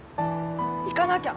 行かなきゃ。